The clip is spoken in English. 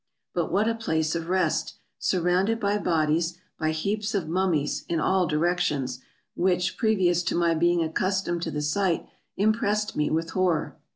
But what a place of rest! surrounded by bodies, by heaps of mummies, in all directions, which, previous to my being accustomed to the sight, impressed me with horror.